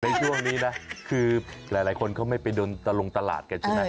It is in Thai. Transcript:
ในช่วงนี้นะคือหลายคนเขาไม่ไปลงตลาดสินะ